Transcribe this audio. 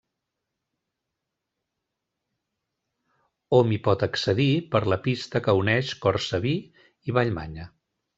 Hom hi pot accedir per la pista que uneix Cortsaví i Vallmanya.